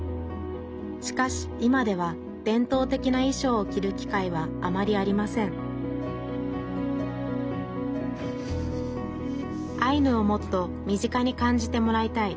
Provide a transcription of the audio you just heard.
しかし今では伝統的ないしょうを着る機会はあまりありませんアイヌをもっと身近に感じてもらいたい。